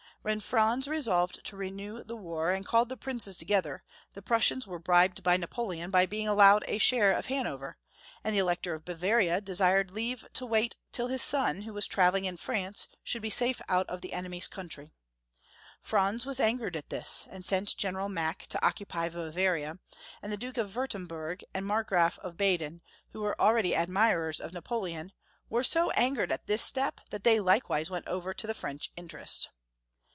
When Franz resolved to renew the war, and called the princes together, the Prussians were bribed by Napoleon by being allowed a share 435 436 Young Folks^ History of Germany, of Hanover, and the Elector of Bavaria desired leave to wait till his son, who was traveling in France, should be safe out of the enemy's country. Franz was angered at this, and sent General Mack to occupy Bavaria ; and the Duke of Wiu*temburg and Markgraf of Baden, who were already ad mirers of Napoleon, were so angered at this step that they likewise went over to the French interest.